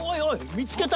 見つけた！